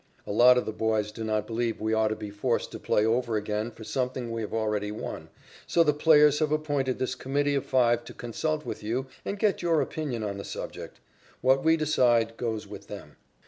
A lot of the boys do not believe we ought to be forced to play over again for something we have already won, so the players have appointed this committee of five to consult with you and get your opinion on the subject. What we decide goes with them."